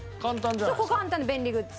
そうこれ簡単で便利グッズ。